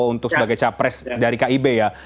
untuk sebagai capres dari kib ya